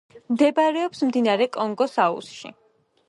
მდებარეობს მდინარე კონგოს აუზში.